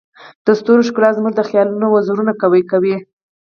د ستورو ښکلا زموږ د خیالونو وزرونه قوي کوي.